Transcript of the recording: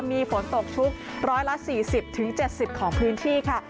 มีฝนตกชุก๑๔๐๗๐ของพื้นที่ค่ะ